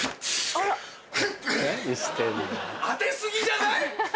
あて過ぎじゃない？